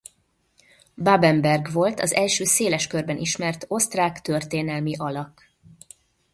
Babenberg volt az első széles körben ismert osztrák történelmi alak.